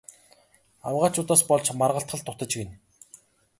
Авгайчуудаас болж маргалдах л дутаж гэнэ.